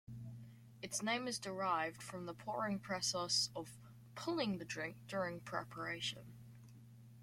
Its name is derived from the pouring process of "pulling" the drink during preparation.